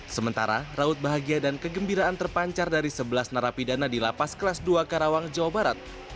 sementara raut bahagia dan kegembiraan terpancar dari sebelas narapidana di lapas kelas dua karawang jawa barat